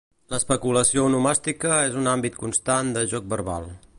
L'especulació onomàstica és un àmbit constant de joc verbal.